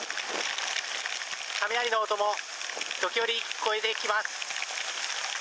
雷の音も時折、聞こえてきます。